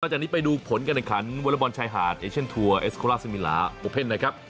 ต่อจากนี้ไปดูผลกันในขั้นวลบชายหาดเอเชนทัวร์เอสโคลาซมีลาโปรเภทนะครับ